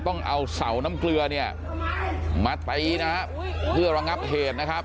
ต้องเอาเสาน้ำเกลือเนี่ยมาตีนะฮะเพื่อระงับเหตุนะครับ